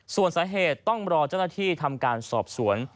ส่วนสาเหตุต้องรอเจ้าหน้าที่ทำการสอบสวน